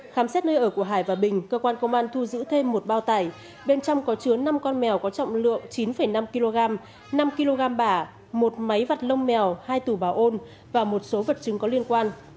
khám xét nơi ở của hải và bình cơ quan công an thu giữ thêm một bao tải bên trong có chứa năm con mèo có trọng lượng chín năm kg năm kg bả một máy vặt lông mèo hai tủ bảo ôn và một số vật chứng có liên quan